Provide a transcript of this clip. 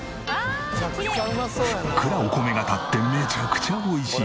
ふっくらお米が立ってめちゃくちゃ美味しい。